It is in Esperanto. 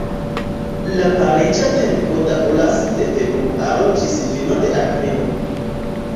La pariĝa tempo daŭras de februaro ĝis fino de aprilo.